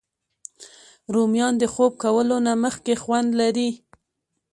رومیان د خوب کولو نه مخکې خوند لري